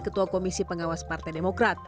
ketua komisi pengawas partai demokrat